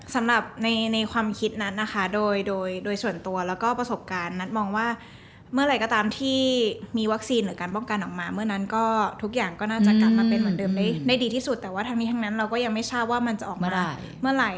สำหรับในความคิดนัทนะคะโดยโดยส่วนตัวแล้วก็ประสบการณ์นัทมองว่าเมื่อไหร่ก็ตามที่มีวัคซีนหรือการป้องกันออกมาเมื่อนั้นก็ทุกอย่างก็น่าจะกลับมาเป็นเหมือนเดิมได้ดีที่สุดแต่ว่าทั้งนี้ทั้งนั้นเราก็ยังไม่ทราบว่ามันจะออกมาเมื่อไหร่